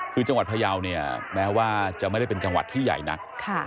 คือจังหวัดพยาวเนี่ยแม้ว่าจะไม่ได้เป็นจังหวัดที่ใหญ่นัก